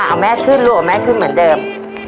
อะแมสขึ้นมาเมื่อเดิม